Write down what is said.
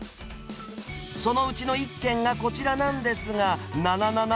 そのうちの１軒がこちらなんですがなななな